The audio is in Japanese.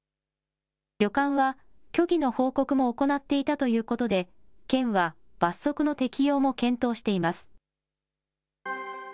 旅館は、虚偽の報告も行っていたということで、県は罰則の適用も検討しています。